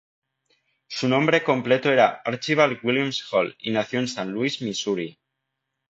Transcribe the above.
Su nombre completo era Archibald Williams Hall, y nació en San Luis, Misuri.